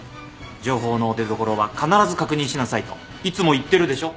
情報の出どころは必ず確認しなさいといつも言ってるでしょ。